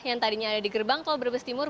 yang tadinya ada di gerbang tol brebes timur